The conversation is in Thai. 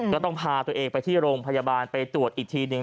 ก็ต้องพาตัวเองไปที่โรงพยาบาลไปตรวจอีกทีหนึ่ง